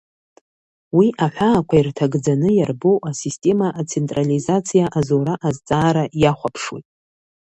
Уи аҳәаақәа ирҭагӡаны иарбоу асистема ацентрализациа азура азҵаара иахәаԥшуеит.